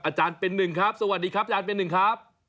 อาจารย์เป็นหนึ่งครับสวัสดีครับอาจารย์เป็นหนึ่งครับ